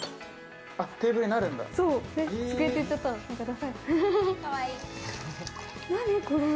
テーブルになるんだ。